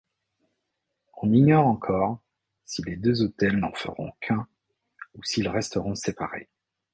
On ignore encore si les deux hôtels n'en feront qu'un ou s'ils resteront séparés.